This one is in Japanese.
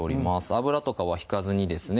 油とかは引かずにですね